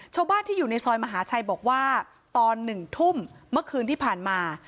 ชาวบ้านที่อยู่ในซอยมหาชัยบอกว่าตอน๑ทุ่มเมื่อคืนที่ผ่านมา